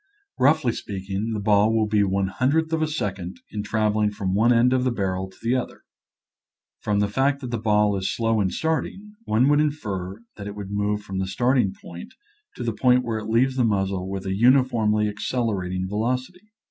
Roughly speaking, the ball will be one hun dredth of a second in traveling from one end of the barrel to the other. From the fact that the ball is slow in starting, one would infer that it would move from the starting point to the point where it leaves the muzzle with a uniformly accelerating velocity.